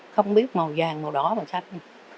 không biết màu vàng màu đỏ màu xanh